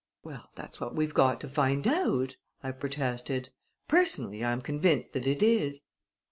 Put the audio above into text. "Well, that's what we've got to find out!" I protested. "Personally, I am convinced that it is."